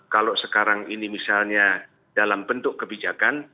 kalau sekarang ini misalnya dalam bentuk kebijakan